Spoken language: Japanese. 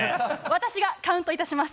私がカウント致します。